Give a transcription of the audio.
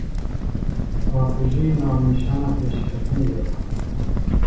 Paqijî navnîşana pêşketinê ye.